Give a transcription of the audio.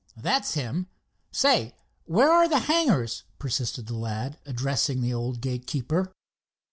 "That's him. Say, where are the hangars?" persisted the lad, addressing the old gate keeper.